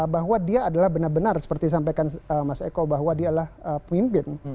bahwa dia adalah benar benar seperti sampaikan mas eko bahwa dia adalah pemimpin